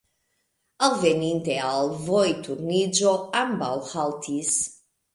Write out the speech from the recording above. Alveninte al vojturniĝo, ambaŭ haltis.